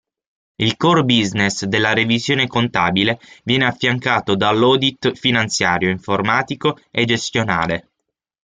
Il core business della revisione contabile viene affiancato dall'audit finanziario, informatico e gestionale.